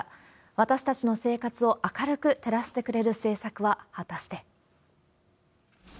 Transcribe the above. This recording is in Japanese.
私たちの生活を明るく照らしてくれる政策は、果たして。